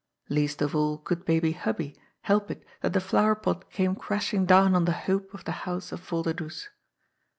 Least of all could baby Hubbie help it that the flower pot came crashing down on the. hope of the house of Volderdoes.